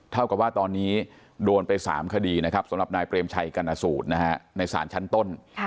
เท่ากับว่าตอนนี้โดนไป๓คดีนะครับสำหรับนายเปรมชัยกรณสูตรในสารชั้นต้น